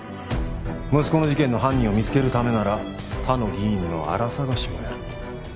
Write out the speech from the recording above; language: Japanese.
息子の事件の犯人を見つけるためなら他の議員のあら探しもやる。